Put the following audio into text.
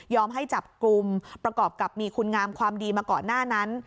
ให้จับกลุ่มประกอบกับมีคุณงามความดีมาก่อนหน้านั้น